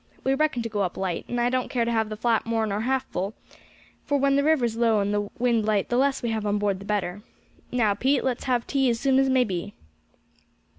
We reckon to go up light, and I don't care to have the flat more nor half full, for when the river's low and the wind light the less we have on board the better. Now Pete, let's have tea as soon as may be."